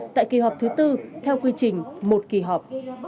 tại kỳ họp thứ tư theo quy trình một kỳ họp